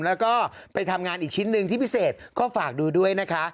แล้วก็ไปทำงานอีกชิ้นหนึ่งที่พิเศษก็ฝากดูด้วยนะคะ